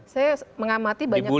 saya mengamati banyak juga